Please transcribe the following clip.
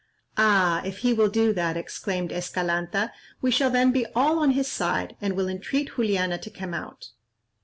"Ah! if he will do that," exclaimed Escalanta, "we shall then be all on his side, and will entreat Juliana to come out."